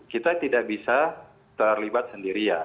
kita tidak bisa terlibat sendiri ya